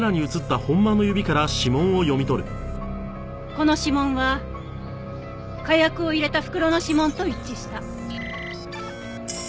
この指紋は火薬を入れた袋の指紋と一致した。